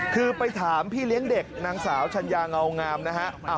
คือไปถามพี่เลี้ยงเด็กนางสาวชัญญาเงางามนะฮะ